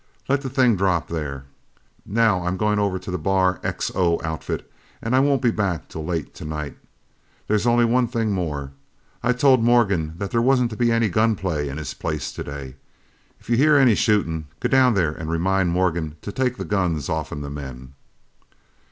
Let the thing drop there. Now I'm goin' over to the Bar XO outfit an' I won't be back till late tonight. There's only one thing more. I told Morgan there wasn't to be any gun play in his place today. If you hear any shootin' go down there an' remind Morgan to take the guns off'n the men."